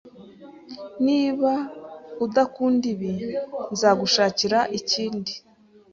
Niba udakunda ibi, nzagushakira ikindi